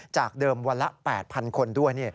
จากเดิมวันละ๘๐๐คนด้วย